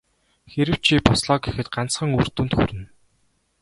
Хэрэв чи бослоо гэхэд ганцхан үр дүнд хүрнэ.